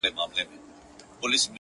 • اې گوره تاته وايم.